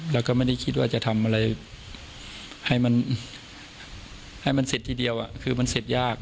แล้วก็ไม่ได้คิดว่าจะทำอะไรให้มันให้มันเสร็จทีเดียวคือมันเสร็จยาก